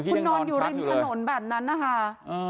คุณนอนอยู่ริมถนนแบบนั้นนะคะ